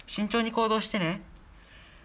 慎重に行動してね。